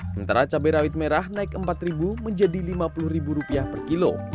sementara cabai rawit merah naik rp empat menjadi rp lima puluh per kilo